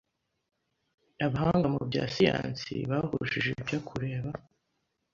Abahanga mu bya siyansi bahujije ibyo kureba